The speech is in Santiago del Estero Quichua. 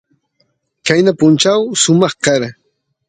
qayna punchaw sumaq kara